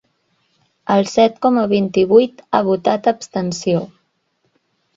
El set coma vint-i-vuit ha votat abstenció.